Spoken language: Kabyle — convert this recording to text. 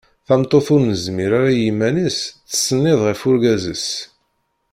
Tameṭṭut ur nezmir ara i yiman-is tettsennid ɣef urgaz-is.